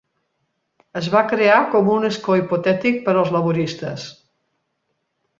Es va crear com un escó hipotètic per als laboristes.